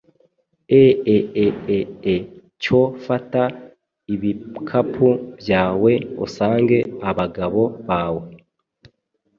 ee ee ee cyo fata ibikapu byawe usange abagabo bawe